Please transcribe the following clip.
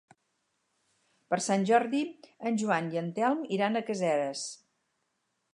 Per Sant Jordi en Joan i en Telm iran a Caseres.